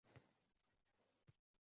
Yo`q, yolg`iz sirdoshim qog`oz bo`ldi